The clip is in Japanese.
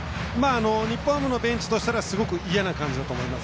日本ハムのベンチからしたらすごく嫌な感じだと思います。